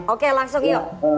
oke langsung yuk